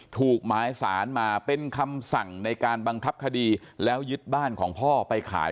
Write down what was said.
ถูกหมายสารมาเป็นคำสั่งในการบังคับคดีแล้วยึดบ้านของพ่อไปขาย